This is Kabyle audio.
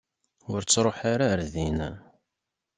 Ur ttruḥ ara ɣer din.